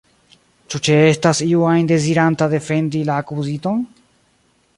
Ĉu ĉeestas iu ajn deziranta defendi la akuziton?